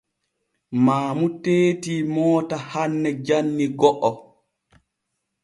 Maamu teeti moota hanne janni go’o.